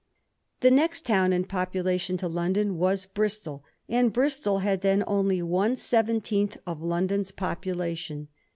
The next town in population to London was Bristol, and Bristol had then only one seventeenth of London's population.